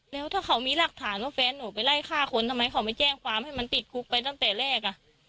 แล้วถ้าเขามีหลักฐานว่าแฟนหนูไปไล่ฆ่าคนทำไมเขาไม่แจ้งความให้มันติดคุกไปตั้งแต่แรก